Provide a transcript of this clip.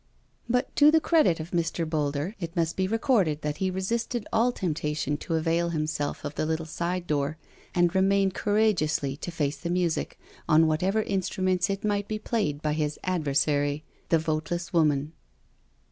But to the credit of Mr. Boulder it must be re corded that he resisted all temptation to avail himself of the little side door, and remained courageously to fac6 the music, on whatever instruments it might be played by his adversary the Voteless Woman.